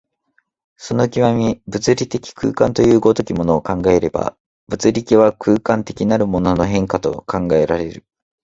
その極、物理的空間という如きものを考えれば、物力は空間的なるものの変化とも考えられる。